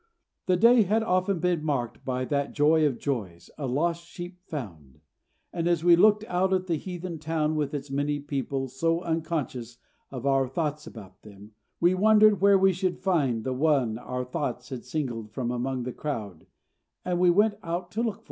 The day had often been marked by that joy of joys, a lost sheep found; and as we looked out at the heathen town with its many people so unconscious of our thoughts about them, we wondered where we should find the one our thoughts had singled from among the crowd, and we went out to look for her.